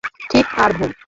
ঠিক আর ভুল?